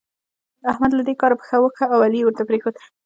احمد له دې کاره پښه وکښه او علي يې ورته پرېښود.